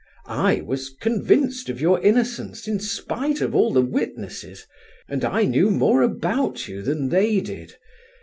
I was convinced of your innocence in spite of all the witnesses, and I knew more about you than they did.